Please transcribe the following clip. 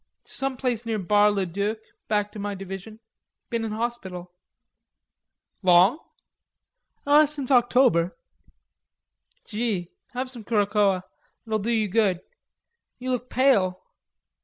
"To some place near Bar le Duc, back to my Division. Been in hospital." "Long?" "Since October." "Gee.... Have some Curacoa. It'll do you good. You look pale....